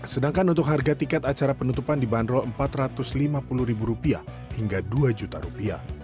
sedangkan untuk harga tiket acara penutupan dibanderol rp empat ratus lima puluh hingga rp dua